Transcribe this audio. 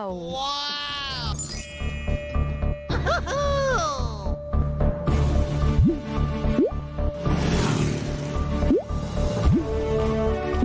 ว้าว